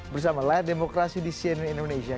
bersama layar demokrasi di cnn indonesia